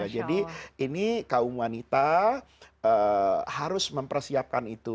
jadi ini kaum wanita harus mempersiapkan itu